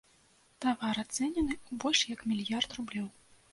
Тавар ацэнены ў больш як мільярд рублёў.